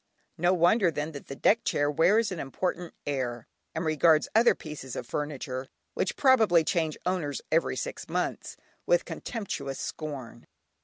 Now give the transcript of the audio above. No wonder then that the deck chair wears an important air, and regards other pieces of furniture, which probably change owners every six months, with contemptuous scorn.